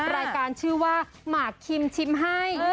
รายการชื่อว่าหมากคิมชิมให้